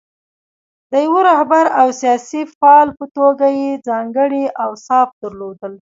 د یوه رهبر او سیاسي فعال په توګه یې ځانګړي اوصاف درلودل.